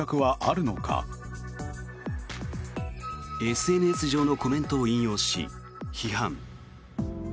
ＳＮＳ上のコメントを引用し批判。